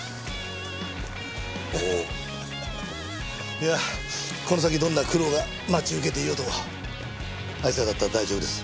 いやこの先どんな苦労が待ち受けていようとあいつらだったら大丈夫です。